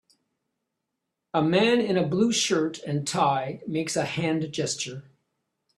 A man in a blue shirt and tie makes a hand gesture